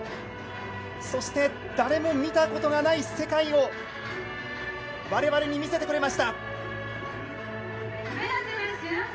そして誰も見たことがない世界をわれわれに見せてくれました。